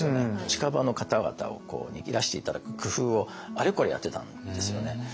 近場の方々にいらして頂く工夫をあれこれやってたんですよね。